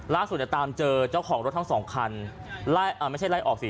ล่าสุดยอดตามเจอเจ้าของรถทั้งสองคันไม่ใช่ไล่ออกสิ